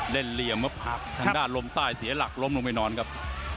เหลี่ยมมาพักทางด้านลมใต้เสียหลักล้มลงไปนอนครับ